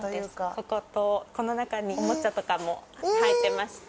こことこの中におもちゃとかも入ってまして。